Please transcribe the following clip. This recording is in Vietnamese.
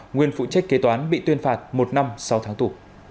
nguyên phụ trách kế toán bị tuyên phạt một năm sau tháng tù